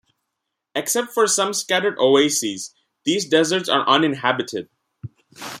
Except for some scattered oases, these deserts are uninhabited.